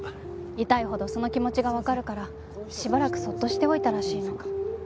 痛いほどその気持ちがわかるからしばらくそっとしておいたらしいの。